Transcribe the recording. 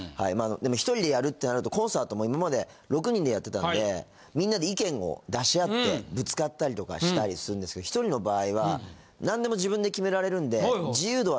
でも１人でやるってなるとコンサートも今まで６人でやってたんでみんなで意見を出し合ってぶつかったりとかしたりするんですけど１人の場合は何でも自分で決められるんで。